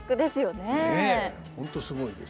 ねえ本当すごいです。